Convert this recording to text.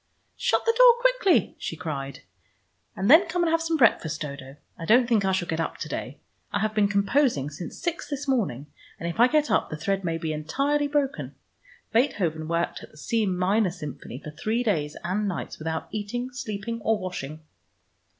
"Shut the door quickly!" she cried. "And then come and have some breakfast, Dodo. I don't think I shall get up to day. I have been composing since six this morning, and if I get up the thread may be entirely broken. Beethoven worked at the C minor Symphony for three days and nights without eating, sleeping, or washing."